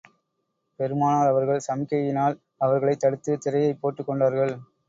பெருமானார் அவர்கள் சமிக்ஞையினால் அவர்களைத் தடுத்து, திரையைப் போட்டுக் கொண்டார்கள்.